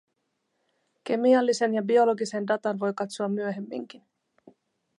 Kemiallisen ja biologisen datan voi katsoa myöhemminkin.